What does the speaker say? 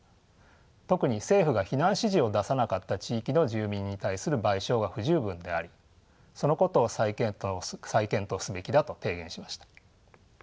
特に政府が避難指示を出さなかった地域の住民に対する賠償が不十分でありそのことを再検討すべきだと提言しました。